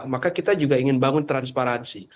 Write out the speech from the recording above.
maka kita juga ingin bangun transparansi